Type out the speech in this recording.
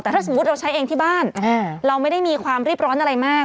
แต่ถ้าสมมุติเราใช้เองที่บ้านเราไม่ได้มีความรีบร้อนอะไรมาก